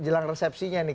jelang resepsinya nih